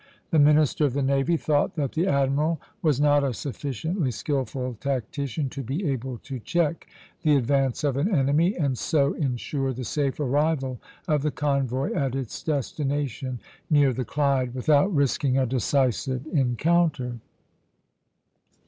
The minister of the navy thought that the admiral was not a sufficiently skilful tactician to be able to check the advance of an enemy, and so insure the safe arrival of the convoy at its destination near the Clyde without risking a decisive encounter.